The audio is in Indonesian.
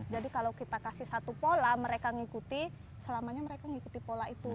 jadi kalau kita kasih satu pola mereka ngikuti selamanya mereka ngikuti pola itu